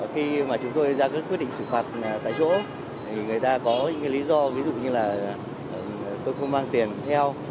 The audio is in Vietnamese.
khi mà chúng tôi ra các quyết định xử phạt tại chỗ thì người ta có những lý do ví dụ như là tôi không mang tiền theo